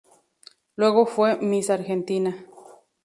Luego fue "Miss Argentina".